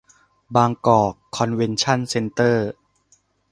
บางกอกคอนเวนชั่นเซ็นเตอร์